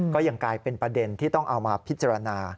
ก็ยังกลายเป็นประเด็นที่ต้องเอามาพิจารณา